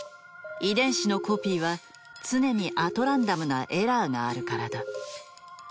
遺伝子のコピーは常にアトランダムなエラーがあるからだ。